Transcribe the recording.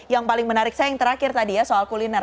yang paling menarik saya yang terakhir tadi ya soal kuliner